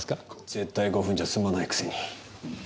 絶対５分じゃ済まないくせに。